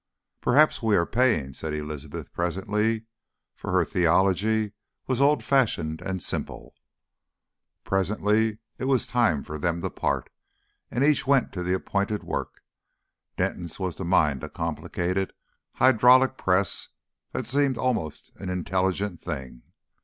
"Perhaps we are paying," said Elizabeth presently for her theology was old fashioned and simple. Presently it was time for them to part, and each went to the appointed work. Denton's was to mind a complicated hydraulic press that seemed almost an intelligent thing.